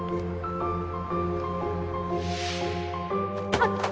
あっ！